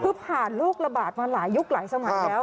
คือผ่านโรคระบาดมาหลายยุคหลายสมัยแล้ว